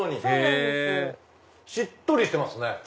へぇしっとりしてますね。